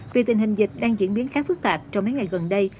vì tình hình dịch đang diễn biến khá phức tạp trong mấy ngày gần đây